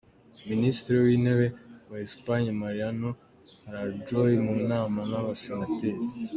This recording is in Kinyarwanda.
Minisitiri w’intebe wa Esipanye, Mariano Rajoy mu nama n’abasenateri.